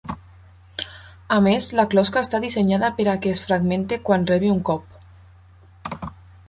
A més, la closca està dissenyada per a que es fragmente quan rebi un cop.